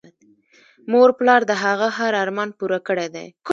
مور پلار د هغه هر ارمان پوره کړی دی